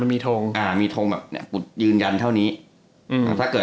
มีทงแบบยืนยันเท่านี้